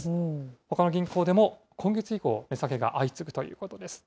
ほかの銀行でも今月以降、値下げが相次ぐということです。